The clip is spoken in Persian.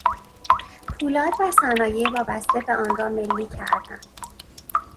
پولاد و صنایع وابسته به آن را ملی کردند.